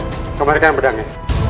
perajurit kembalikan pedangnya